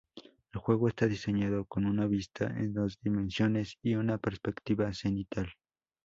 El juego está diseñado con una vista en dos dimensiones y una perspectiva cenital.